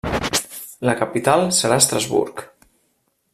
La capital serà Estrasburg.